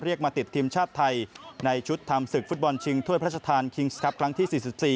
เรียกมาติดทีมชาติไทยในชุดทำศึกฟุตบอลชิงถ้วยพระชาติธรรมครั้งที่๔๔